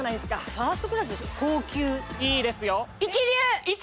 ファーストクラスでしょいいですよ